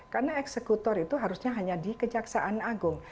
karena eksekutor itu harusnya hanya di kejaksaan agung